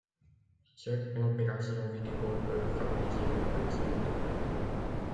Certaines opérations viticoles peuvent favoriser l'apparition de grappillons.